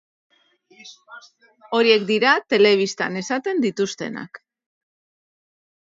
Horiek dira telebistan esaten dituztenak.